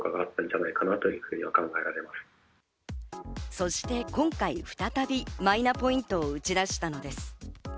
そして今回、再びマイナポイントを打ち出したのです。